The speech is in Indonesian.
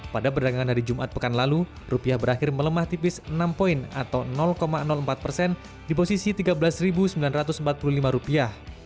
pada perdagangan hari jumat pekan lalu rupiah berakhir melemah tipis enam poin atau empat persen di posisi tiga belas sembilan ratus empat puluh lima rupiah